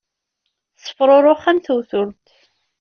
Tessefṛuṛux am tewtult.